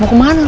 mau kemana lu